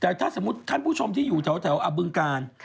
แต่ถ้าสมมุติท่านผู้ชมที่อยู่แถวอบึงการ